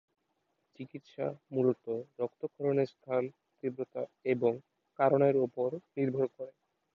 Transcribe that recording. চিকিৎসা মূলত রক্তক্ষরণের স্থান, তীব্রতা, এবং কারণের ওপর নির্ভর করে।